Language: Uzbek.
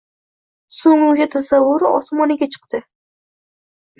So‘ng o‘sha tasavvuri osmoniga chiqdi